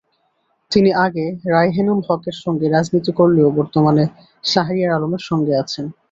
তিনি আগে রায়হেনুল হকের সঙ্গে রাজনীতি করলেও বর্তমানে শাহরিয়ার আলমের সঙ্গে আছেন।